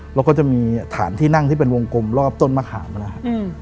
แล้วก็จะมีฐานที่นั่งที่เป็นวงกลมรอบต้นมะขามนะครับ